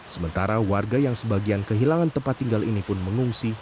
sementara warga yang sebagian kehilangan tempat tinggal ini pun mengungsi